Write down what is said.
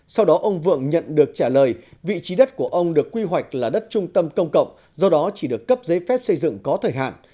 sau đó ông vượng nhận được trả lời vị trí đất của ông được quy hoạch là đất trung tâm công cộng do đó chỉ được cấp giấy phép xây dựng có thời hạn